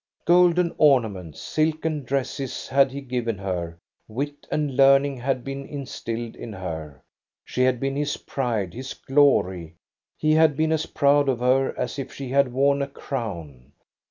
Golden ornaments, silken dresses had he given her, wit and learning had been instilled in her. She had been his pride, his glory. He had been as proud of her as if she had worn a crown.